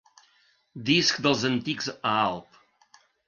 Disc dels antics a Alp.